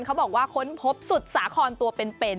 เขาบอกว่าค้นพบสุดสาครตัวเป็น